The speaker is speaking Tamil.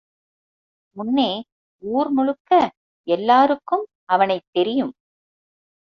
முன்னே ஊர் முழுக்க எல்லாருக்கும் அவனைத் தெரியும்.